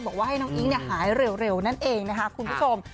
บอกว่าให้น้องอิ๊งหายเร็วนั่นเองนะคะคุณผู้ชม